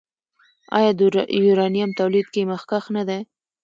آیا د یورانیم تولید کې مخکښ نه دی؟